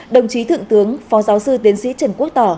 đồng chí thượng tướng phó giáo sư tiến sĩ trần quốc tỏ